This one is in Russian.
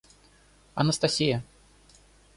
Анастасия